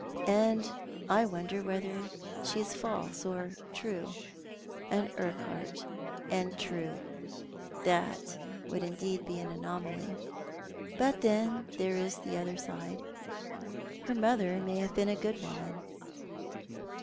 " I wonder whether she is false or true ? An Urquhart, and true ! That would indeed be an anomaly. But then there is the other side. Her mother may have been a good woman."